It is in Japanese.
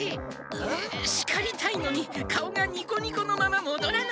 しかりたいのに顔がニコニコのままもどらない。